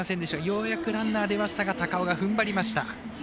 ようやくランナー出ましたが高尾がふんばりました。